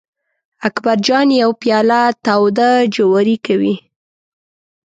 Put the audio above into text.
اکبر جان یو پیاله له تاوده جواري کوي.